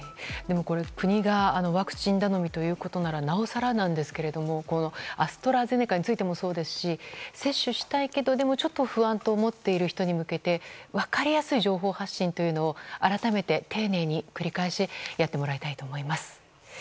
国がワクチン頼みということならなおさらなんですがアストラゼネカについてもそうですし接種したいけど、ちょっと不安と思っている人に向けて分かりやすい情報発信というのを改めて、丁寧に繰り返しやってもらいたいと思います。